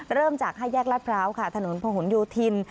เริ่มจากห้ายแยกลาดพร้าวค่ะถนนผงหุ่นยูธิน